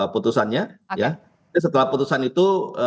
putusannya ya setelah putusan itu